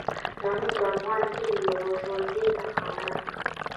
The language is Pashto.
تنور د افغان کلي یوه ژوندي نښانه ده